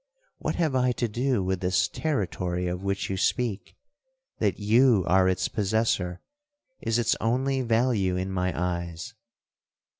What have I to do with this territory of which you speak? That you are its possessor, is its only value in my eyes!'